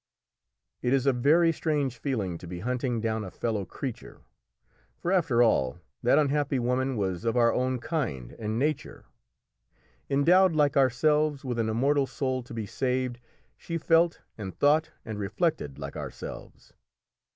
It is a very strange feeling to be hunting down a fellow creature; for, after all, that unhappy woman was of our own kind and nature; endowed like ourselves with an immortal soul to be saved, she felt, and thought, and reflected like ourselves.